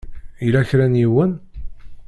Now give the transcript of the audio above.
Yella kra n yiwen?